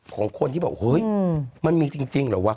ของคนที่บอกเฮ้ยมันมีจริงเหรอวะ